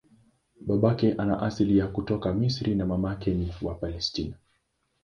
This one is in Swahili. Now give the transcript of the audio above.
Babake ana asili ya kutoka Misri na mamake ni wa Palestina.